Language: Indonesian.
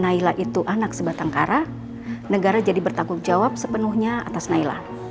naila itu anak sebatang kara negara jadi bertanggung jawab sepenuhnya atas naila